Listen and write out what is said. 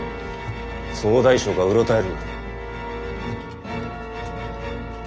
総大将がうろたえるな。